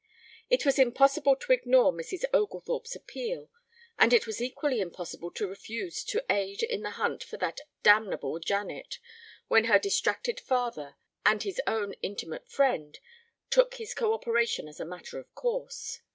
It was impossible to ignore Mrs. Oglethorpe's appeal, and it was equally impossible to refuse to aid in the hunt for that damnable Janet when her distracted father and his own intimate friend took his coöperation as a matter of course.